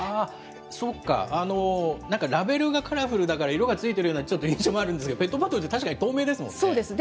そうか、なんかラベルがカラフルだから色がついているような印象もあるんですけど、ペットボトルって確かに透明ですもんね。